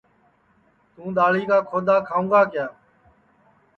تُوں دؔاݪی کا کھودؔا کھاؤں گا کِیا